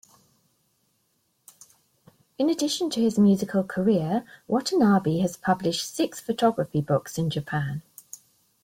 In addition to his musical career, Watanabe has published six photography books in Japan.